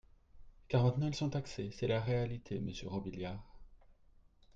Car maintenant ils sont taxés, c’est la réalité, monsieur Robiliard.